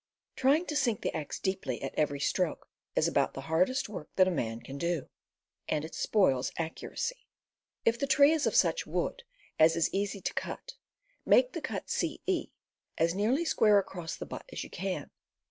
Trying to sink the axe deeply at every stroke is about the hardest work that a man can do, and it spoils accuracy. If the tree is of such wood as is easy to cut, make the cut ce as nearly square across the butt as you can.